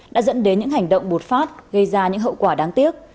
đã dẫn đến những hành động bột phát gây ra những hậu quả đáng tiếc